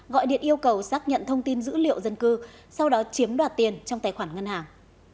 gọi điện yêu cầu xác nhận thông tin dữ liệu dân cư sau đó chiếm đoạt tiền trong tài khoản ngân hàng